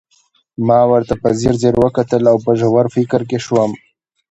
ما ورته په ځیر ځير وکتل او په ژور فکر کې شوم